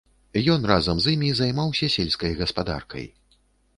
Ён разам з імі займаўся сельскай гаспадаркай.